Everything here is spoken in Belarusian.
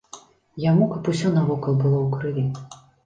Яму каб усё навокал было ў крыві.